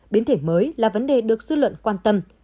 biến thể mới là vấn đề được dư luận quan tâm